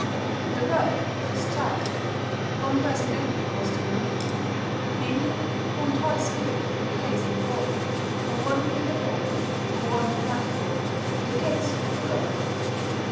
At the birth of his child one present only was to be made: namely, one toy spear, in the case of a boy; or one paper doll, or one "mud doll," in the case of a girl...